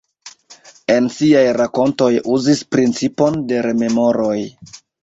En siaj rakontoj uzis principon de rememoroj.